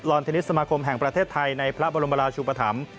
เทนนิสสมาคมแห่งประเทศไทยในพระบรมราชุปธรรม